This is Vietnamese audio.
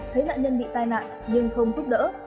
thấy nạn nhân bị tai nạn nhưng không giúp đỡ